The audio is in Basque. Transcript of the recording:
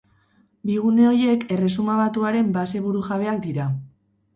Bi gune horiek Erresuma Batuaren base burujabeak dira.